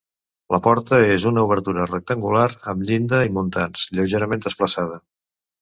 La porta és una obertura rectangular amb llinda i muntants, lleugerament desplaçada.